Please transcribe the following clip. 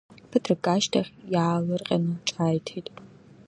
Ԥыҭрак ашьҭахь, иаалырҟьаны ҿааиҭит…